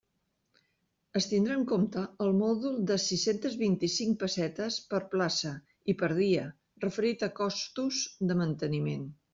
Es tindrà en compte el mòdul de sis-centes vint-i-cinc pessetes per plaça i per dia referit a costos de manteniment.